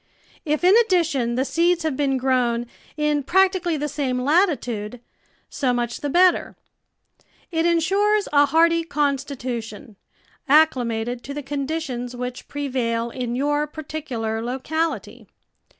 If, in addition, the seeds have been grown in prac THE VEGETABLE GARDEN tically the same latitude, so much the better; it in sures a hardy constitution, acchmated to the con ditions which prevail in your particular locality.